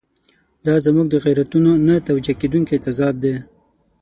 دا زموږ د غیرتونو نه توجیه کېدونکی تضاد دی.